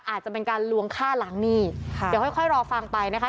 อาจจะเป็นการลวงฆ่าล้างหนี้ค่ะเดี๋ยวค่อยค่อยรอฟังไปนะคะ